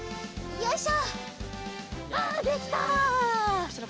よいしょ！